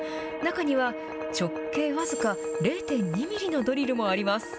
中には直径僅か０．２ミリのドリルもあります。